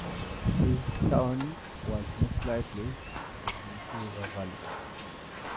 His town was most likely in the Tennessee River Valley.